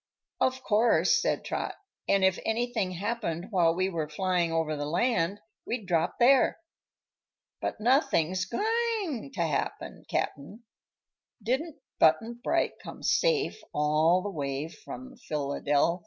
"Of course," said Trot; "and if anything happened while we were flyin' over the land we'd drop there. But nothing's goin' to happen, Cap'n. Didn't Button Bright come safe all the way from Philydelfy?"